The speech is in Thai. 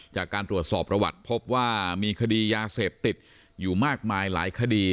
จากการตรวจสอบประวัติพบว่ามีคดียาเสพติดอยู่มากมายหลายคดี